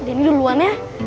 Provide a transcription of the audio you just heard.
om denny duluan ya